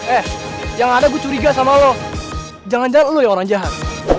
eh yang ada gue curiga sama lo jangan jangan lo ya orang jahat